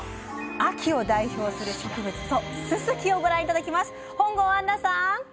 秋を代表する植物ススキをご覧いただきます。